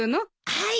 はい。